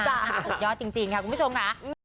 สุดยอดจริงค่ะคุณผู้ชมค่ะ